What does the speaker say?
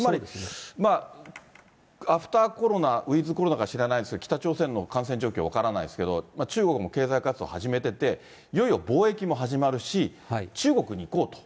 まあ、アフターコロナ、ウィズコロナか知らないですが、北朝鮮の感染状況分からないですけど、中国も経済活動、始めてて、いよいよ貿易も始まるし、中国に行こうと。